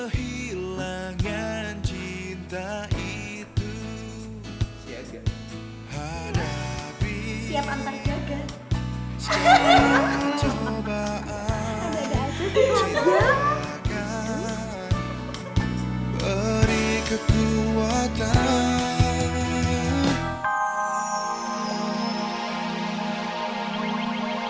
kehilangan cinta itu siaga hadapi siapa antar jaga hahaha coba ada ada aja di